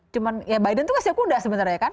cuma ya biden itu siokuda sebenarnya kan